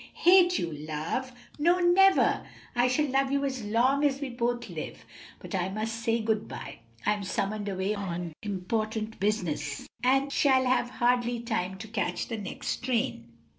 "Hate you, love! No, never! I shall love you as long as we both live. But I must say good by. I am summoned away on important business, and shall have hardly time to catch the next train."